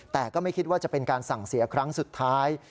แต่ก็ไม่คิดว่าจะเป็นการสั่งเสียครั้งสุดท้าย